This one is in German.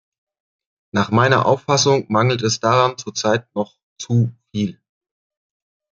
Nach meiner Auffassung mangelt es daran zur Zeit noch zu viel.